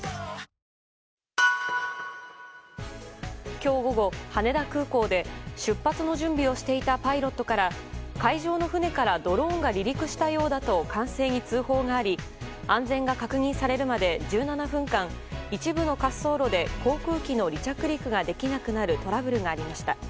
今日午後、羽田空港で出発の準備をしていたパイロットから、海上の船からドローンが離陸したようだと管制に通報があり安全が確認されるまで１７分間一部の滑走路で航空機の離着陸ができなくなるトラブルがありました。